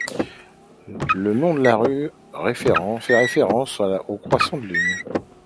Le nom de la rue fait référence au croissant de Lune.